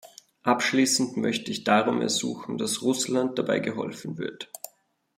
Abschließend möchte ich darum ersuchen, dass Russland dabei geholfen wird.